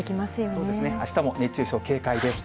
そうですね、あしたも熱中症警戒です。